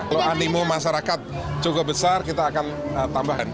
kalau animo masyarakat cukup besar kita akan tambahan